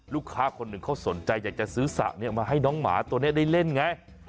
ลูกค้าคนหนึ่งเขาสนใจอยากจะซื้อสระมาให้น้องหมาตัวนี้ได้เล่นไง